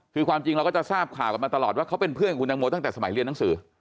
คือความจริงเราก็จะทราบข่าวกันมาตลอดว่าเขาเป็นเพื่อนคุณตังโมตั้งแต่สมัยเรียนหนังสือ